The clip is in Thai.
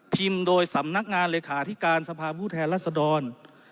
โดยสำนักงานเลขาธิการสภาพผู้แทนรัศดร